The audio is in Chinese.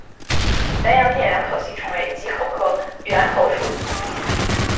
白洋淀缘口吸虫为棘口科缘口属的动物。